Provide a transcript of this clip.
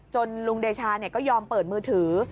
จนลุงเดชานเนี่ยก็ยอมเปิดมือถือ